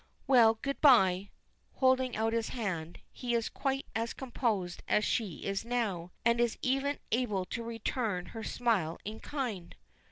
"Well, good bye," holding out his hand. He is quite as composed as she is now, and is even able to return her smile in kind.